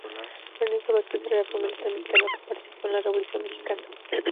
Lorenzo Vázquez Herrera fue un militar mexicano que participó en la Revolución mexicana.